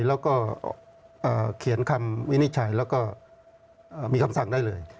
แล้วก็เขียนคำวินิจฉัยแล้วก็มีคำสั่งได้เลย